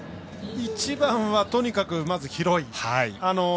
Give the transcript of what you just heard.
一番はとにかく、まず広い。